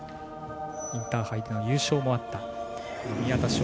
インターハイでの優勝もあった宮田笙子。